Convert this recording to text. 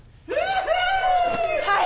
はい！